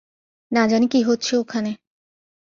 না জানি কী হচ্ছে ওখানে।